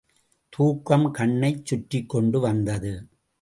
தூக்கம் கண்ணைச் சுற்றிக்கொண்டு வந்தது.